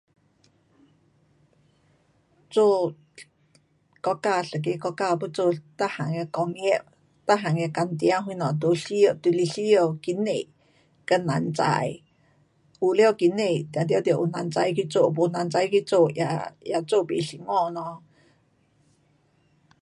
做国家，一个国家要做每样的工业，每样的工场什么都需要，就是需要经济跟人才。有了经济一定得有人才去做，没人才去做也，也做不成功咯。